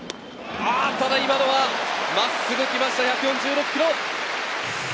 ただ今のは真っすぐ来ました、１４６キロ。